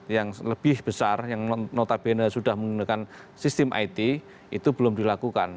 yang lebih besar yang notabene sudah menggunakan sistem it itu belum dilakukan